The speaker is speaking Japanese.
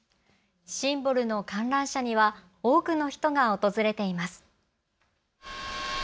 シンボルの観覧車には多くの人が訪れています。